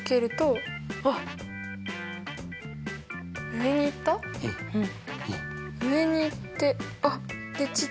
上に行ってあっ！